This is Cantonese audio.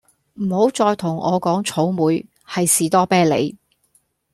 唔好再同我講草莓，係士多啤利